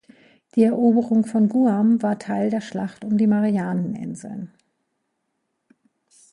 Die Eroberung von Guam war Teil der Schlacht um die Marianen-Inseln.